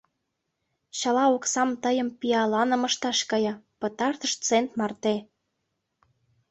Чыла оксам тыйым пиаланым ышташ кая, пытартыш цент марте.